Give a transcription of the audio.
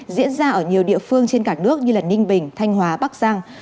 diễn ra ở nhiều địa phương trên cả nước như ninh bình thanh hóa bắc giang